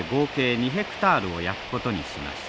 ２ヘクタールを焼くことにしました。